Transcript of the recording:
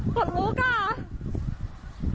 โหยหลุดลุก